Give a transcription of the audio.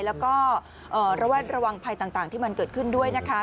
แล้วก็ระแวดระวังภัยต่างที่มันเกิดขึ้นด้วยนะคะ